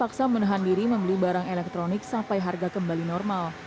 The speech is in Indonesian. terpaksa menahan diri membeli barang elektronik sampai harga kembali normal